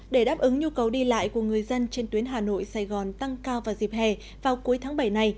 để đáp ứng nhu cầu đi lại của người dân trên tuyến hà nội sài gòn tăng cao vào dịp hè vào cuối tháng bảy này